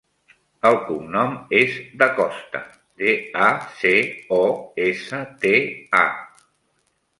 El cognom és Dacosta: de, a, ce, o, essa, te, a.